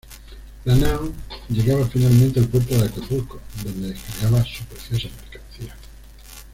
La Nao llegaba finalmente al puerto de Acapulco, donde descargaba su preciosa mercancía.